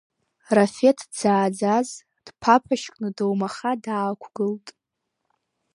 Рафеҭ дзааӡаз дԥаԥашькны, доумаха, даақәгылт.